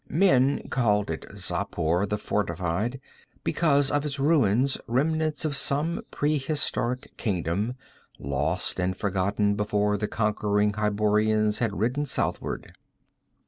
Men called it Xapur, the Fortified, because of its ruins, remnants of some prehistoric kingdom, lost and forgotten before the conquering Hyborians had ridden southward.